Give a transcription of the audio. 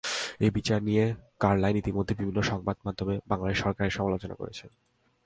এই বিচার নিয়ে কারলাইল ইতিমধ্যেই বিভিন্ন সংবাদমাধ্যমে বাংলাদেশ সরকারের সমালোচনা করেছেন।